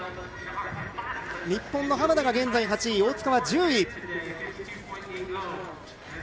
日本の浜田が現在８位大塚は１０位。